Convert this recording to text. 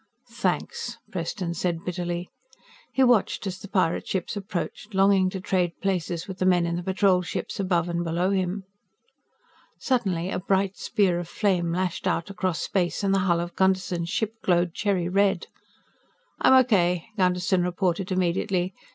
"Thanks," Preston said bitterly. He watched as the pirate ships approached, longing to trade places with the men in the Patrol ships above and below him. Suddenly a bright spear of flame lashed out across space and the hull of Gunderson's ship glowed cherry red. "I'm okay," Gunderson reported immediately.